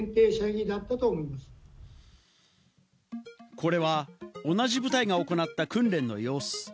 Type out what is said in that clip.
これは同じ部隊が行った訓練の様子。